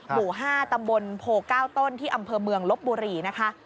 หมู่๕ตำบลโพ๙ต้นที่อำเภอเมืองลบบุรีนะคะ